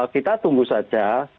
kita tunggu saja